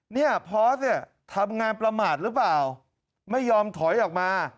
เนี่ยพอสเนี่ยทำงานประมาทหรือเปล่าไม่ยอมถอยออกมา